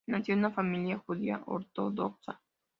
Nació en una familia judía ortodoxa.